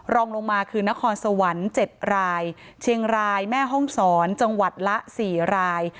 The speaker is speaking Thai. รองลงมาคือนครสวรรค์๗รายเชียงรายแม่ห้องศรจังหวัดละ๔ราย